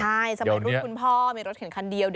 ใช่สมัยรุ่นคุณพ่อมีรถเข็นคันเดียว